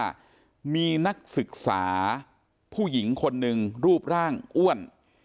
ว่ามีนักศึกษาผู้หญิงคนหนึ่งรูปร่างอ้วน